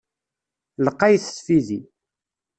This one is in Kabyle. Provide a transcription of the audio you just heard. Lqayet tfidi.